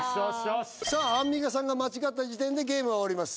さあアンミカさんが間違った時点でゲームは終わります